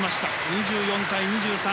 ２４対２３。